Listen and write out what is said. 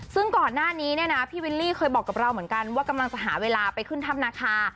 ส่งข่าวมาบอกด้วยนะ